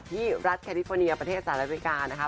ที่รัฐแคทฟอร์เนียประเทศอเศรษฐ์อเมริกา